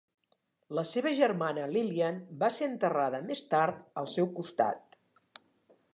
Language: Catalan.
La seva germana Lillian va ser enterrada més tard al seu costat.